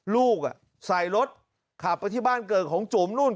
ลูกใส่รถขับไปที่บ้านเกิดของจุ๋มนู่น